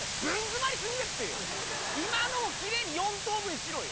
今のをきれいに４等分しろよ。